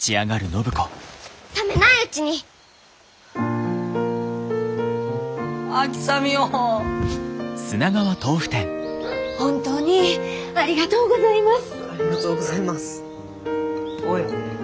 ありがとうございます。